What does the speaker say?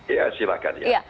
ya silahkan ya